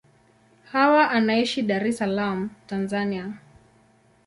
Hawa anaishi Dar es Salaam, Tanzania.